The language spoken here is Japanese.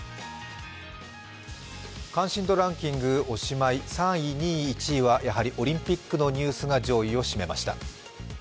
おしまい、３位、２位、１位はやはりオリンピックのニュースが上位を占めました。